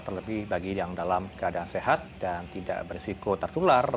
terlebih bagi yang dalam keadaan sehat dan tidak berisiko tertular